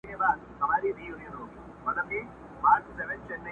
قام به راټول سي، پاچاخان او صمد خان به نه وي؛